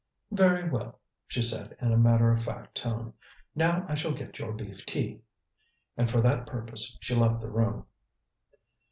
"Very well," she said, in a matter of fact tone. "Now I shall get your beef tea," and for that purpose she left the room.